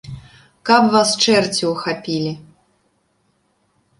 Каб вас чэрці ўхапілі!